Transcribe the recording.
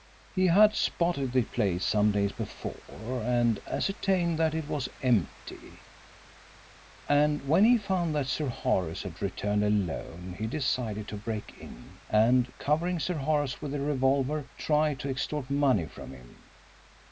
He had spotted the place some days before and ascertained that it was empty, and when he found that Sir Horace had returned alone he decided to break in, and, covering Sir Horace with a revolver, try to extort money from him.